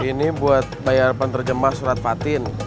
ini buat bayar penerjemah surat fatin